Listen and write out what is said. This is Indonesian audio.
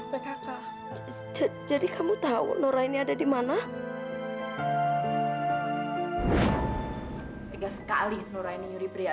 malahan jadi kayak gini semuanya